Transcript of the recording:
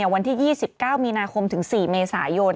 วันที่๒๙มีนาคมถึง๔เมษายน